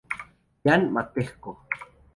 Jan Matejko.